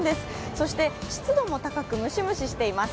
そして湿度も高くムシムシしています。